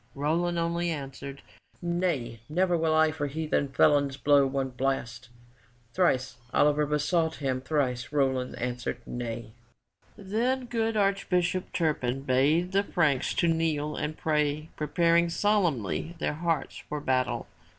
Roland only answered, "Nay! Never will I for heathen felons blow one blast!" Thrice Oliver besought him; thrice Roland answered, "Nay!" Then good Archbishop Turpin bade the Franks to kneel and pray preparing solemnly their hearts for battle.